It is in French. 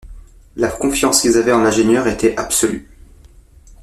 La confiance qu’ils avaient en l’ingénieur était absolue.